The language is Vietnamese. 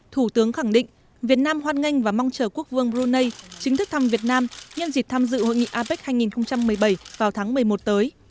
thủ tướng khẳng định việt nam hoan nghênh và mong chờ quốc vương brunei chính thức thăm việt nam nhân dịp tham dự hội nghị apec hai nghìn một mươi bảy vào tháng một mươi một tới